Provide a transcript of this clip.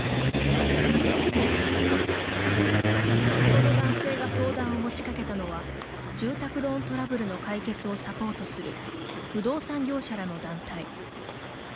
この男性が相談を持ちかけたのは住宅ローントラブルの解決をサポートする不動産業者らの団体。